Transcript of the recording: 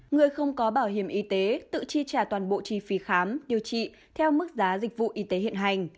người không có bảo hiểm y tế tự chi trả toàn bộ chi phí khám điều trị theo mức giá dịch vụ y tế hiện hành